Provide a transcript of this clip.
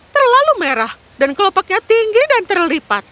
terlalu merah dan kelopaknya tinggi dan terlipat